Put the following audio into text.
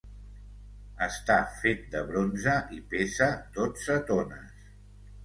Està fet de bronze i pesa dotze tones.